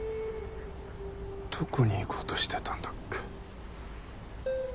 どこに行こうとしてたんだっけ。